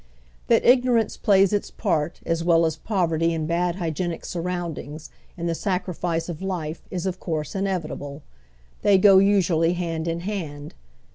Tiiat ignorance plays its part, as well as poverty and bad hygienic surroundings, in the sacrifice of life is of course inevitable. They go usually hand in hand.